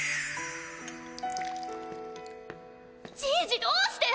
じいじどうして！？